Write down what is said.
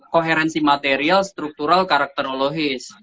koherensi material struktural karakterologis